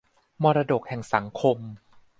มรดกแห่งสังคม